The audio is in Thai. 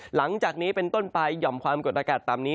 หลังจากนี้เป็นต้นไปหย่อมความกดอากาศต่ำนี้